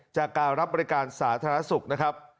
จากการรับบริการสาธารณสุขนะครับ